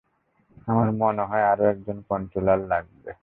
আমার মনে হয়, আরো একজন কন্ট্রোলার লাগবে।